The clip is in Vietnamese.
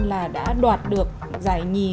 là đã đoạt được giải nhì